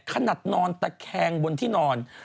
นอนตะแคงบนที่นอน